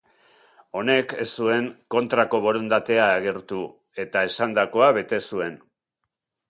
Honek ez zuen kontrako borondatea agertu eta esandakoa bete zuen.